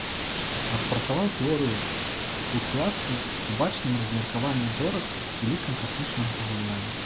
Распрацаваў тэорыю флуктуацыі у бачным размеркаванні зорак з улікам касмічнага паглынання.